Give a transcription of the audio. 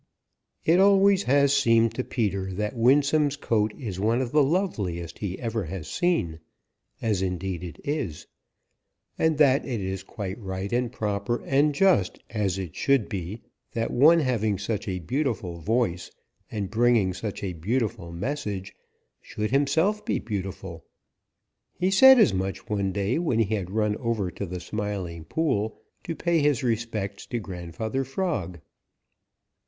It always has seemed to Peter that Winsome's coat is one of the loveliest he ever has seen, as indeed it is, and that it is quite right and proper and just as it should be that one having such a beautiful voice and bringing such a beautiful message should himself be beautiful. He said as much one day when he had run over to the Smiling Pool to pay his respects to Grandfather Frog.